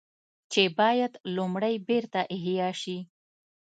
چې بايد لومړی بېرته احياء شي